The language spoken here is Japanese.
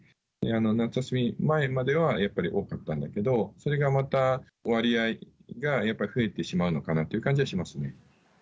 夏休み前まではやっぱり多くなるんだけど、それがまた割合がやっぱり増えてしまうのかなっていう感じはしますね。